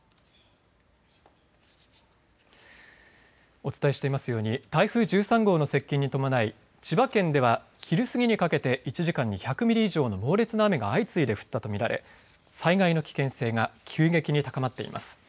お伝えしていますように台風１３号の接近に伴い千葉県では昼過ぎにかけて１時間に１００ミリ以上の猛烈な雨が相次いで降ったと見られ災害の危険性が急激に高まっています。